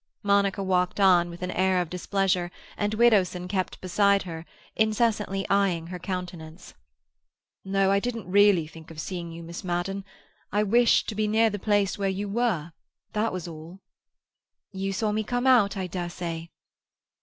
Monica walked on, with an air of displeasure, and Widdowson kept beside her, incessantly eyeing her countenance. "No, I didn't really think of seeing you, Miss Madden. I wished to be near the place where you were, that was all." "You saw me come out I dare say."